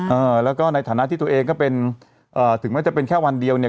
เออแล้วก็ในฐานะที่ตัวเองก็เป็นเอ่อถึงแม้จะเป็นแค่วันเดียวเนี่ย